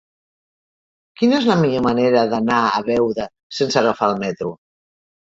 Quina és la millor manera d'anar a Beuda sense agafar el metro?